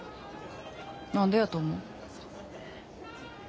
何でやと思う？